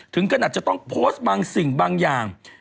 ถึงขนาดจะต้องโพสต์บางสิ่งบางอย่าง